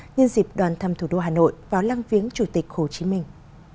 nhân dịp đoàn thăm thủ đô hà nội vào lăng viếng chủ tịch hồ chí minh